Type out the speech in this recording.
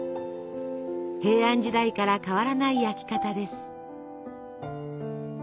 平安時代から変わらない焼き方です。